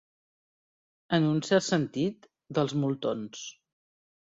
En un cert sentit, dels moltons.